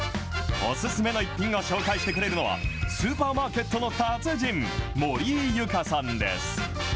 お薦めの逸品を紹介してくれるのは、スーパーマーケットの達人、森井ユカさんです。